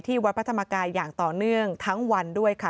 วัดพระธรรมกายอย่างต่อเนื่องทั้งวันด้วยค่ะ